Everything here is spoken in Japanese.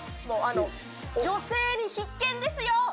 もうあの女性に必見ですよ！